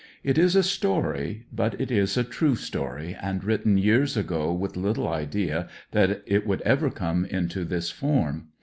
It is a story, but it is a true story, and written years ago with little idea that it would ever come into this form.